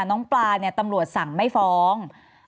น้องปลาเนี่ยตำรวจสั่งไม่ฟ้อง